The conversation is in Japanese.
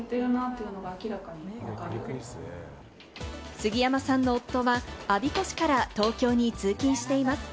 杉山さんの夫は我孫子市から東京に通勤しています。